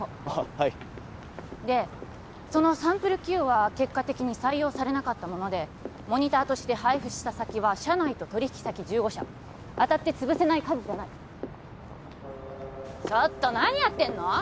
はいでそのサンプルＱは結果的に採用されなかったものでモニターとして配布した先は社内と取引先１５社あたって潰せない数じゃないちょっと何やってんの？